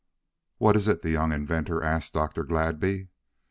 "What is it?" the young inventor asked Dr. Gladby.